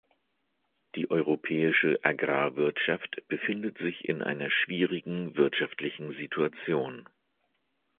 Die europäische Agrarwirtschaft befindet sich in einer schwierigen wirtschaftlichen Situation.